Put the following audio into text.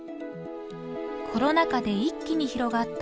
コロナ禍で一気に広がった